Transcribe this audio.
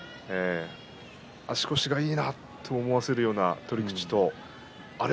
足腰がいいなと思わせるような取り口とあれ？